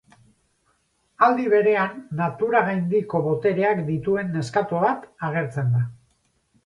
Aldi berean, natura-gaindiko botereak dituen neskato bat agertzen da.